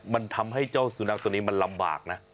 มันทำให้เจ้าสุนัขตัวนี้มันลำบากนะ